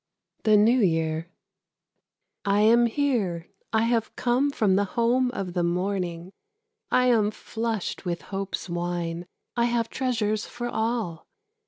_) THE NEW YEAR. I am here, I have come from the home of the morning; I am flushed with hope's wine; I have treasures for all.